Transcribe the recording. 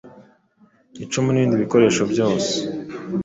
icumu n’ibindi bikoresho byose